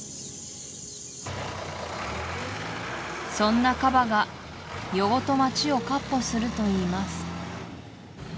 そんなカバが夜ごと街をかっ歩するといいます